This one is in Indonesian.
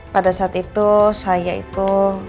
pada saat itu saya itu